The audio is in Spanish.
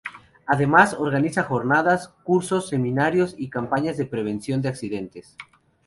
Además, organiza jornadas, cursos, seminarios y campañas de prevención de accidentes.